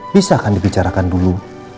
bisa kan dibicarakan dulu